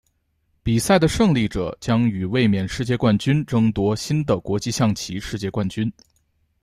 比赛的胜利者将与卫冕世界冠军争夺新的国际象棋世界冠军。